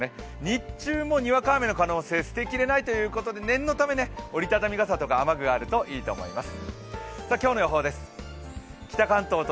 日中もにわか雨の可能性捨てきれないということで念のため折り畳み傘とか雨具があるといいと思います。